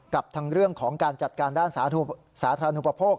กับทั้งเรื่องของการจัดการด้านสาธารณูปโภค